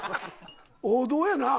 王道やなぁ。